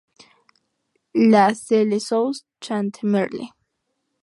La Celle-sous-Chantemerle